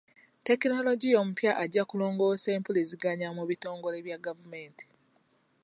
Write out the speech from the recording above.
Tekinologiya omupya ajja kulongoosa empulizigannya mu bitongole bya gavumenti.